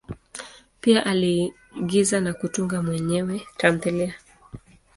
Pia aliigiza na kutunga mwenyewe tamthilia.